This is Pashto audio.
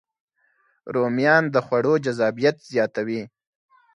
رومیان د خوړو جذابیت زیاتوي